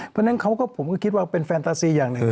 เพราะฉะนั้นเขาก็ผมก็คิดว่าเป็นแฟนตาซีอย่างหนึ่ง